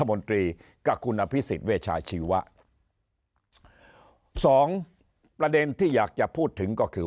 มนตรีกับคุณอภิษฎเวชาชีวะสองประเด็นที่อยากจะพูดถึงก็คือ